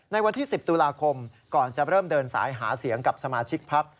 ในวันที่๑๐ตุลาคมก่อนจะเริ่มเดินสายหาเสียงกับสมาชิกพัก